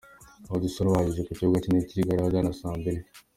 Sauti Sol bageze ku kibuga cy'indege cya Kigali ahagana saa mbiri.